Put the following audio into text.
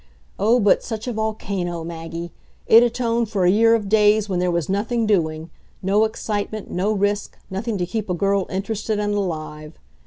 Oh, but such a volcano, Maggie! It atoned for a year of days when there was nothing doing; no excitement, no risk, nothing to keep a girl interested and alive.